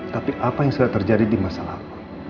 tapi apa yang sudah terjadi di masa lalu